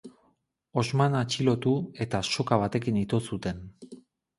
Osman atxilotu eta soka batekin ito zuten.